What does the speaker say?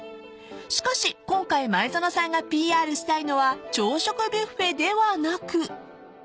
［しかし今回前園さんがＰＲしたいのは朝食ビュッフェではなく］